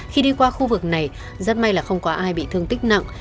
khi đi qua khu vực này rất may là không có ai bị thương tích nặng